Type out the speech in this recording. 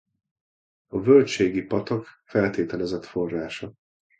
A Völgységi-patak feltételezett forrása.